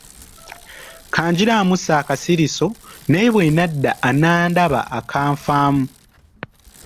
Ka ngira mmussa akasiriso naye bwe nadda anandaba akanfamu.